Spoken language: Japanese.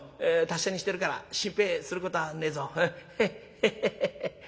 達者にしてるから心配することはねえぞ。ヘヘヘヘ。